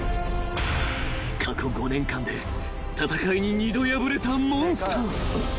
［過去５年間で戦いに二度敗れたモンスター］